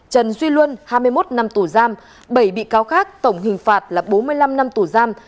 trần duy luân hai mươi một năm tù giam bảy bị cáo khác tổng hình phạt là bốn mươi năm năm tù giam